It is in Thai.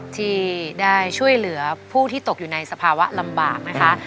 ที่ได้ช่วยเหลือผู้ที่ตกอยู่ในสภาวะลำบากนะคะ